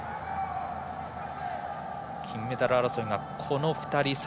金メダル争いがこの２人。